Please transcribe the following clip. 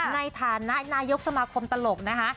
ในฐานะนายกสมาคมตลกนะคะ